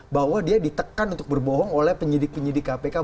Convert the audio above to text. bahwa dia ditekan untuk berbohong oleh penyidik penyidik kpk